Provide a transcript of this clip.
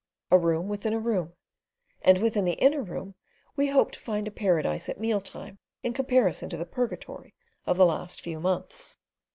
A room within a room, and within the inner room we hoped to find a paradise at mealtime in comparison to the purgatory of the last few months.